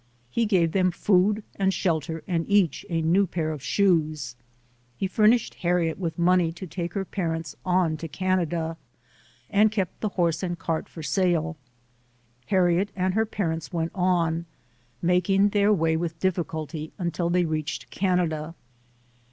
He gave them food and shelter and each a new pair of shoes. He fur nished Harriet with money to take her parents 96 ] UNSUNG HEROES on to Canada, and kept the horse and cart for sale. Harriet and her parents went on, making their way with difficulty, until they reached Canada.